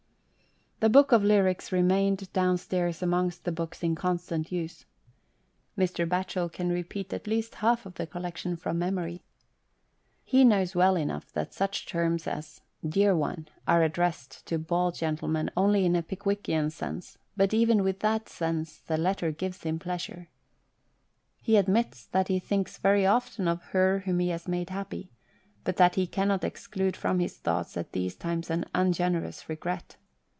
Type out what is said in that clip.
The book of Lyrics remained downstairs amongst the books in constant use. Mr. Batchel can repeat at least half of the collection from memory. He knows well enough that such terms as "dear one" are addressed to bald gentlemen only in a Pickwickian sense, but even with that sense the letter gives him pleasure. He admits that he thinks very often of "her whom he has made happy," but that he cannot exclude from his thoughts at these times an ungenerous regret.